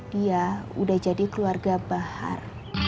dia udah jadi keluarga bahar